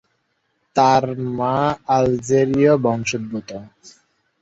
তার মা আলজেরীয় বংশোদ্ভূত।